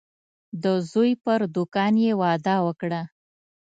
د زوی پر دوکان یې وعده وکړه.